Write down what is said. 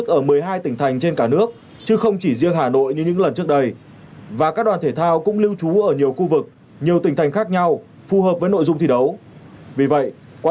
vì vậy quá trình di chuyển dài giữa các tỉnh thành các đoàn thể thao cũng lưu trú ở nhiều khu vực nhiều tỉnh thành khác nhau phù hợp với nội dung thị đấu